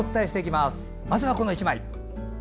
まずは、この１枚。